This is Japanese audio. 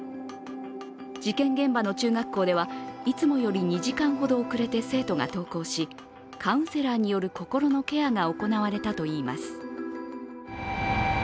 事件現場の中学校ではいつもより２時間ほど遅れて生徒が登校しカウンセラーによる心のケアが行われたといいます。